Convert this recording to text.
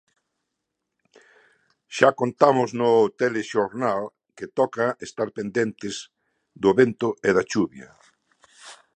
Xa contamos no telexornal que toca estar pendentes do vento e da chuvia.